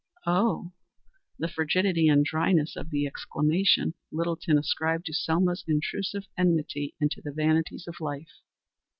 "Oh!" The frigidity and dryness of the exclamation Littleton ascribed to Selma's intuitive enmity to the vanities of life.